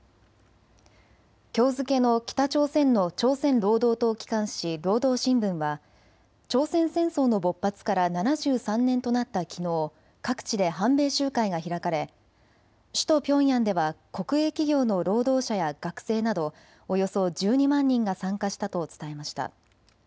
きょう付けの北朝鮮の朝鮮労働党機関紙、労働新聞は朝鮮戦争の勃発から７３年となったきのう各地で反米集会が開かれ首都ピョンヤンでは国営企業の労働者や学生などおよそ１２万人が参加したと伝えました。